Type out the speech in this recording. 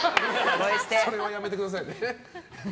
それはやめてくださいね。